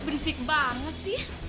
berisik banget sih